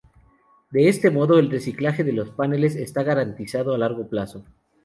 De este modo, el reciclaje de los paneles está garantizado a largo plazo.